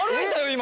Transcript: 今。